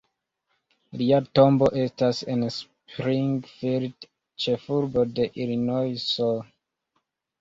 Lia tombo estas en Springfield, ĉefurbo de Ilinojso.